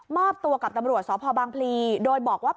อบตัวกับตำรวจสพบางพลีโดยบอกว่า